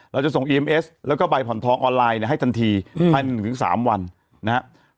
เราจะส่งอีเอ็มเอสแล้วก็ใบผ่อนท้องออนไลน์นี่ให้ตันทีอืมให้หนึ่งถึงสามวันนะฮะ